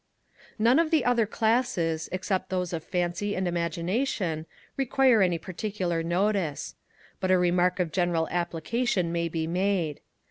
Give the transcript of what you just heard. None of the other Classes, except those of Fancy and Imagination, require any particular notice. But a remark of general application may be made.